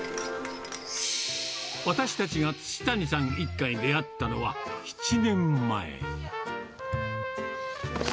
私たちが土谷さん一家に出会ったのは７年前。